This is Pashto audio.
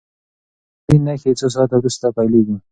د مېګرین نښې څو ساعته وروسته پیلېږي.